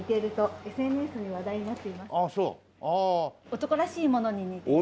男らしいものに似ています。